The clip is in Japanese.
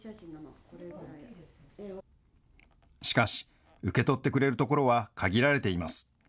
しかし、受け取ってくれるところは限られています。